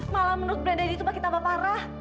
malah menurut brenda itu makin tambah parah